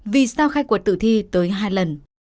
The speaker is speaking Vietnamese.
vì sao khai cuộc tự thi tới hai lần